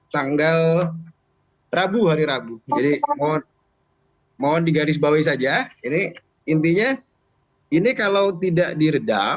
tanggal rabu hari rabu jadi mohon mohon digarisbawahi saja ini intinya ini kalau tidak diredam